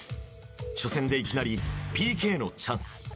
初戦でいきなりＰＫのチャンス。